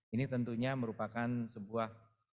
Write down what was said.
ini tentunya merupakan sebuah